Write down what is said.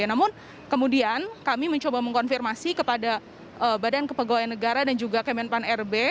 namun kemudian kami mencoba mengkonfirmasi kepada badan kepegawaian negara dan juga kemenpan rb